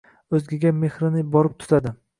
O’zgaga mehrini borib tutadi.